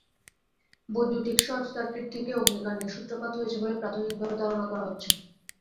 বৈদ্যুতিক শর্টসার্কিট থেকে অগ্নিকাণ্ডের সূত্রপাত হয়েছে বলে প্রাথমিকভাবে ধারণা করা হচ্ছে।